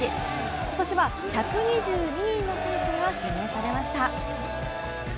今年は１２２人の選手が指名されました。